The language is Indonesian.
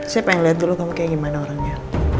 saya pengen lihat dulu kamu kayak gimana orangnya